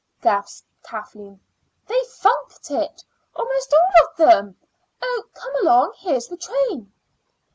gasped Kathleen. "They funked it, almost all of them. Oh! come along; here's the train."